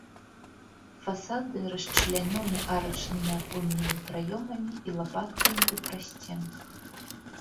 Фасады расчлянёны арачнымі аконнымі праёмамі і лапаткамі ў прасценках.